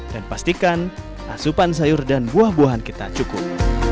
dan pastikan asupan sayur dan buah buahan kita cukup